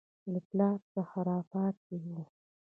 له پلاره څه راپاته وو.